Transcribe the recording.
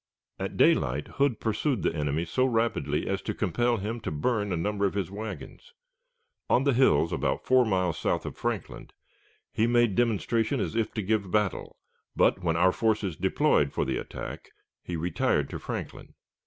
At daylight Hood pursued the enemy so rapidly as to compel him to burn a number of his wagons. On the hills about four miles south of Franklin, he made demonstration as if to give battle, but, when our forces deployed for the attack, he retired to Franklin.